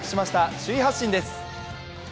首位発進です。